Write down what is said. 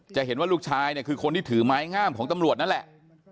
จะเห็นว่าลูกชายเนี่ยคือคนที่ถือไม้งามของตำรวจนั่นแหละ